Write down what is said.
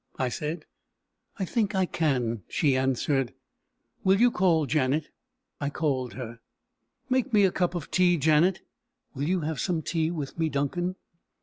I said. "I think I can," she answered. "Will you call Janet?" I called her. "Make me a cup of tea, Janet. Will you have some tea with me, Duncan?"